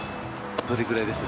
どれぐらいでした？